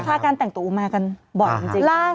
พี่ขับรถไปเจอแบบ